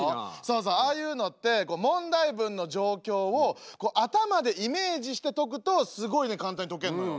ああいうのって問題文の状況を頭でイメージして解くとすごいね簡単に解けんのよ。